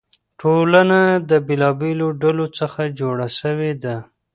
ټولنه د بېلابېلو ډلو څخه جوړه سوې ده.